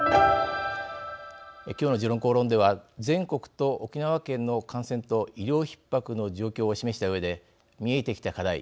今日の「時論公論」では全国と沖縄県の感染と医療ひっ迫の状況を示したうえで見えてきた課題